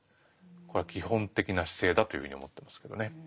これは基本的な姿勢だというふうに思ってますけどね。